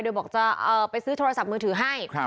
โดยบอกจะไปซื้อโทรศัพท์มือถือให้